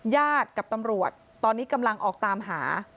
ญาติกับตำรวจตอนนี้กำลังออกตามหา